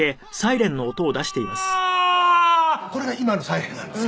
これが今のサイレンなんです。